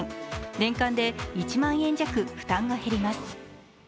年間で１万円弱負担が減ります。